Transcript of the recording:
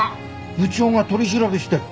部長が取り調べしてる。